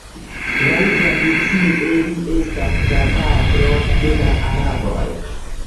Laŭ tradicie li estas prapatro de la araboj.